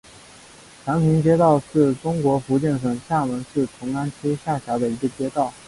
祥平街道是中国福建省厦门市同安区下辖的一个街道。